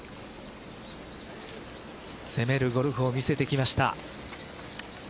攻めるゴルフを見せてきました。